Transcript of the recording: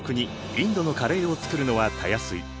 インドのカレーを作るのはたやすい。